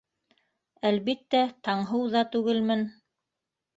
Әлбиттә, Таңһыу ҙа түгелмен.